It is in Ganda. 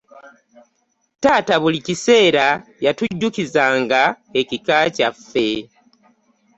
Taata buli kaseera yatujjukizanga ekika kyaffe.